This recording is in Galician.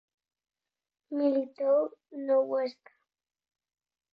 Militou no Huesca.